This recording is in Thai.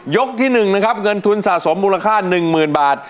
ยกที่หนึ่งนะครับเงินทุนสะสมมูลค่าหนึ่งหมื่นบาท